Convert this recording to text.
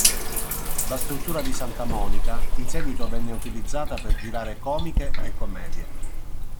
La struttura di Santa Monica in seguito venne utilizzata per girare comiche e commedie.